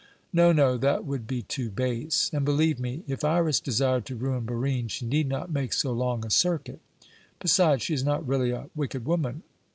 No, no; that would be too base! And believe me, if Iras desired to ruin Barine, she need not make so long a circuit. Besides, she is not really a wicked woman.